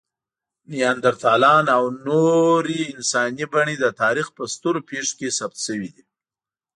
نیاندرتالان او نورې انساني بڼې د تاریخ په سترو پېښو کې ثبت شوي دي.